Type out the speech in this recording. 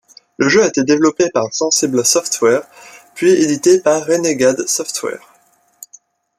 Le jeu a été développé par Sensible Software puis édité par Renegade Software.